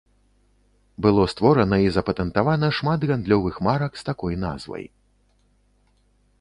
Было створана і запатэнтавана шмат гандлёвых марак з такой назвай.